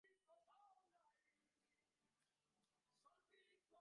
গোরা বিনয়কে কহিল, বিনু, তুমি দাদার ঘরে গিয়ে ওঁকে ঠেকাও গে।